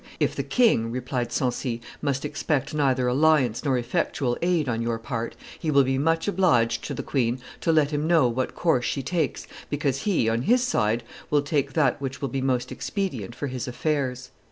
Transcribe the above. "If the king," replied Sancy, "must expect neither alliance nor effectual aid on your part, he will be much obliged to the queen to let him know what course she takes, because he, on his side, will take that which will be most expedient for his affairs."